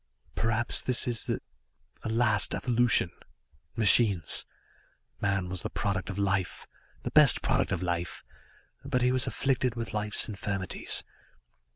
"Perhaps, this is a last evolution. Machines man was the product of life, the best product of life, but he was afflicted with life's infirmities.